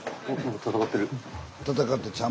戦ってん。